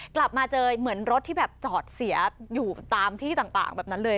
กลับมาเจอเหมือนรถที่แบบจอดเสียอยู่ตามที่ต่างแบบนั้นเลย